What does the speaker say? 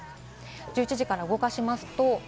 １１時から動かします。